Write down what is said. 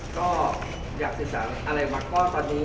ก็อยากศึกษาอะไรมาก็ตอนนี้